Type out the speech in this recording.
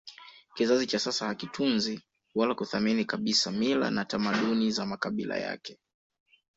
Kizazi cha sasa hakitunzi wala kuthamini kabisa mila na tamaduni za makabila yake